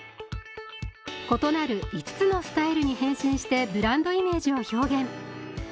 異なる５つのスタイルに変身してブランドイメージを表現。